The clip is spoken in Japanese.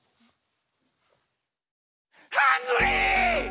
ハングリー！